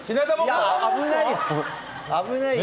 危ないよ。